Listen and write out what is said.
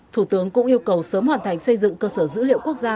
thủ tướng cũng yêu cầu sớm hoàn thành xây dựng cơ sở dữ liệu quốc gia